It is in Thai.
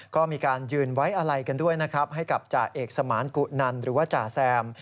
ก็มีการยืนไว้อะไรกันด้วยนะครับให้กับจ่าเอกสมานกุนันหรือว่าจ่าแซม